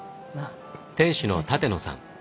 店主の舘野さん。